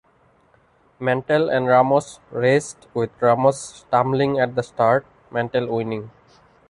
Mantle and Ramos raced with Ramos stumbling at the start, Mantle winning.